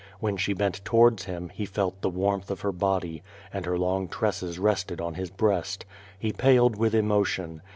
When she bent towards him, he felt the warmth of her body, and her long tresses rested on his breast. He paled with emotion.